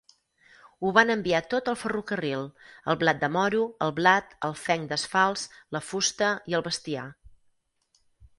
Ho van enviar tot al ferrocarril: el blat de moro, el blat, el fenc d'alfals, la fusta i el bestiar.